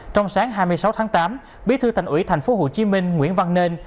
trong sáng hai mươi sáu tháng tám bí thư thành ủy tp hcm nguyễn văn nên